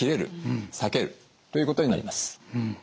・裂けるということになります。